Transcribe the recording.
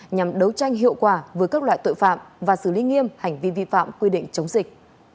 nhằm đấu tranh hiệu quả với các loại tội phạm và xử lý nghiêm hành vi vi phạm quy định chống dịch